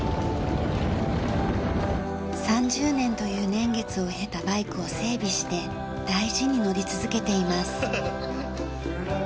３０年という年月を経たバイクを整備して大事に乗り続けています。